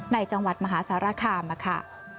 จังหวัดมหาสารคามค่ะ